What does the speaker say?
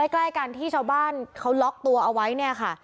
ใกล้กันที่ชาวบ้านเขาล็อกตัวเอาไว้เนี่ยค่ะ